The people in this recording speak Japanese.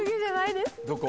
どこ？